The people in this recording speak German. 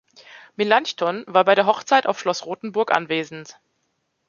Melanchthon war bei der Hochzeit auf Schloss Rotenburg anwesend.